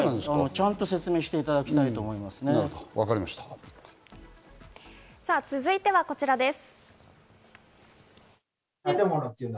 ちゃんと説明していただきた続いてはこちらです。